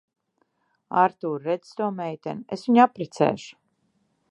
Artūr, redzi to meiteni? Es viņu apprecēšu.